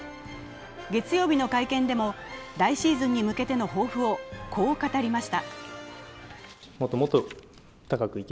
月曜日の会見でも来シーズンに向けての抱負を、こう語りました。